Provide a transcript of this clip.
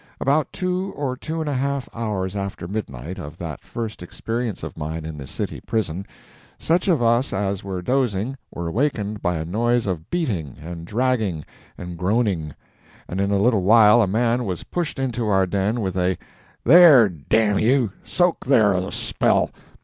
About two or two and a half hours after midnight, of that first experience of mine in the city prison, such of us as were dozing were awakened by a noise of beating and dragging and groaning, and in a little while a man was pushed into our den with a "There, d n you, soak there a spell!"